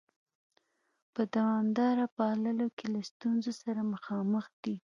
په دوامداره پاللو کې له ستونزو سره مخامخ دي؟